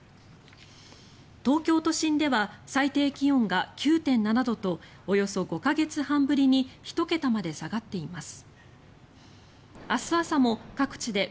東京都心では最低気温が９．７度とおよそ５か月半ぶりに１桁まで下がっています。